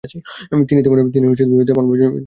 তিনি তেমন ভাবে জনপ্রিয়তা পাননি।